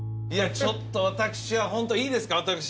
いやちょっと私はいいですか？